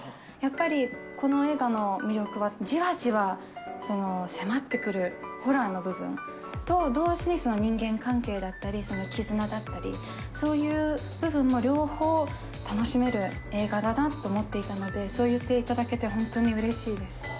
やっぱりこの映画の魅力はじわじわ迫ってくるホラーの部分と同時に人間関係だったり、絆だったり、そういう部分も両方楽しめる映画だなと思っていたので、そう言っていただけて本当にうれしいです。